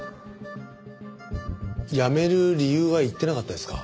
辞める理由は言ってなかったですか？